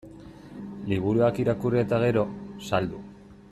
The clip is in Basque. Liburuak irakurri eta gero, saldu.